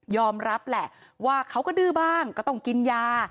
รับแหละว่าเขาก็ดื้อบ้างก็ต้องกินยา